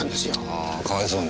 あぁかわいそうに。